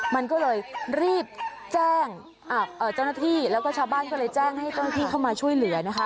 มันก็เลยรีบแจ้งเจ้าหน้าที่แล้วก็ชาวบ้านก็เลยแจ้งให้เจ้าหน้าที่เข้ามาช่วยเหลือนะคะ